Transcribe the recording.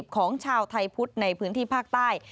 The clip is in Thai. ของชาวไทยพุทธในพื้นที่ภาคใต้